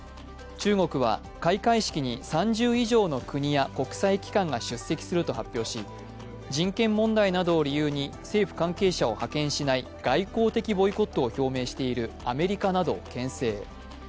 中国は開会式に３０以上の国や国際機関が出席すると発表し人権問題などを理由に政府関係者を派遣しない外交的ボイコットを表明しているアメリカなどをけん制。